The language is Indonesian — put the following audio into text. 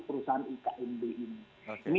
perusahaan ikmb ini